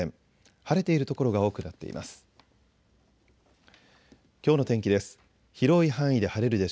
晴れている所が多くなっています。